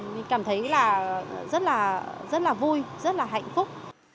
mình cảm thấy là rất là vui rất là hạnh phúc